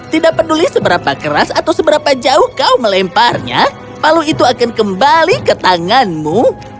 tidak peduli seberapa keras atau seberapa jauh kau melemparnya palu itu akan kembali ke tanganmu